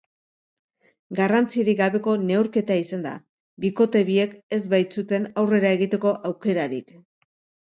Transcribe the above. Garrantzirik gabeko neurketa izan da, bikote biek ez baitzuten aurrera egiteko aukerarik.